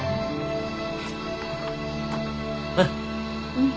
うん。